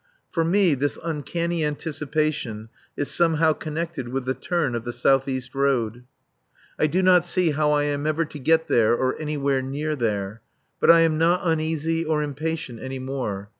For me this uncanny anticipation is somehow connected with the turn of the south east road. I do not see how I am ever going to get there or anywhere near there. But I am not uneasy or impatient any more.